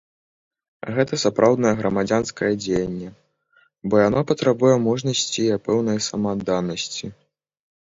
Гэта сапраўднае грамадзянскае дзеянне, бо яно патрабуе мужнасці і пэўнай самаадданасці.